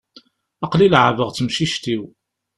Aql-i leεεbeɣ d temcict-iw.